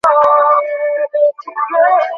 বিনোদিনী হাসিয়া কহিল, কী পাতাইবে।